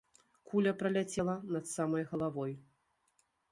Куля праляцела над самай галавой!